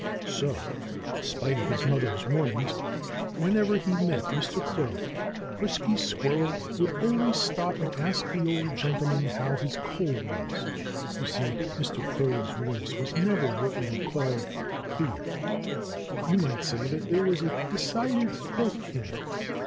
So, in spite of his mother's warnings, whenever he met Mr. Crow Frisky Squirrel would always stop and ask the old gentleman how his cold was. You see, Mr. Crow's voice was never what you would call clear. You might say that there was a decided croak in it.